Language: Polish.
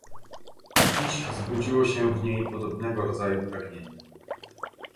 "Dziś zbudziło się w niej podobnego rodzaju pragnienie."